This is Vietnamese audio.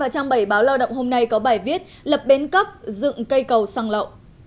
cây cầu xăng lậu